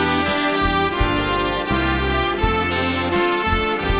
ขอบความจากฝ่าให้บรรดาดวงคันสุขสิทธิ์